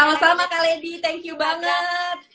sama sama kak lady thank you banget